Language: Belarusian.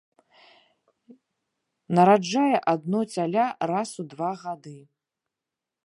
Нараджае адно цяля раз у два гады.